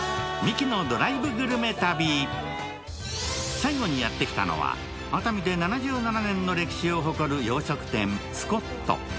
最後にやってきたのは熱海で７７年の歴史を誇る洋食店・スコット。